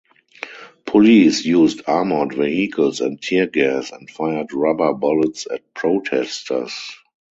Police used armored vehicles and tear gas and fired rubber bullets at protesters.